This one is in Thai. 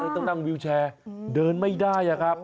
ต้องนั่งวิวแชร์เดินไม่ได้ครับ